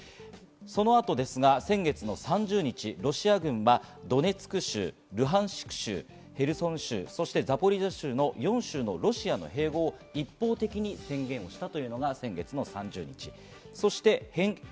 そのあとですが先月３０日、ロシア軍はドネツク州、ルハンシク州、ヘルソン州、そしてザポリージャ州の４州のロシア併合を一方的に宣言しました。